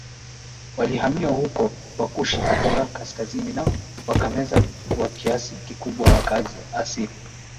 walihamia huko Wakushi kutoka kaskazini nao wakameza kwa kiasi kikubwa wakazi asili